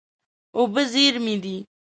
اوبه زېرمې دي.